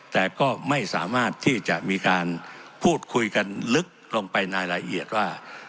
แต่ก็ไม่สามารถที่จะมีการพูดคุยกันลึกลงไปในรายละเอียดว่า